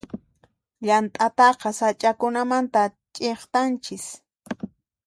Llant'ataqa sach'akunamanta ch'iktanchis.